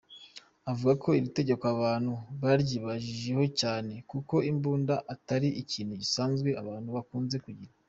Avuga ko iri tegeko abantu baryibajijehocyane kuko imbunda atari ikintu gisanzwe abantu bakunze kugira.